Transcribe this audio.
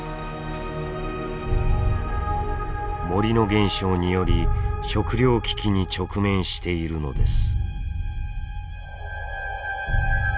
森の減少により食糧危機に直面しているのです。